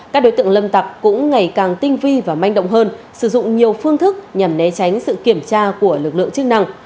các đối tượng lâm tặc cũng ngày càng tinh vi và manh động hơn sử dụng nhiều phương thức nhằm né tránh sự kiểm tra của lực lượng chức năng